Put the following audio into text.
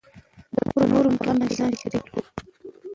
د نورو په غم کې ځان شریک بولو.